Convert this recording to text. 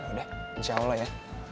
yaudah insya allah ya